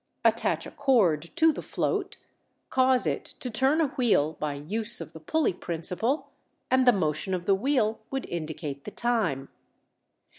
Attach a cord to the float, cause it to turn a wheel by use of the pulley principle, and the motion of the wheel would indicate the time.